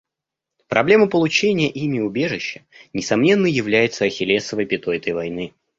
Проблема получения ими убежища, несомненно, является «ахиллесовой пятой» этой войны.